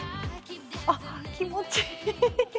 あっ気持ちいい。